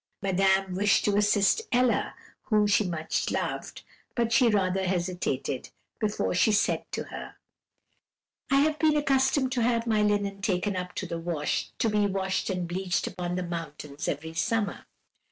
Madame wished to assist Ella, whom she much loved; but she rather hesitated before she said to her: "'I have been accustomed to have my linen taken up to be washed and bleached upon the mountains every summer.